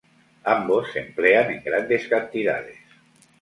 Ambos se emplean en grandes cantidades.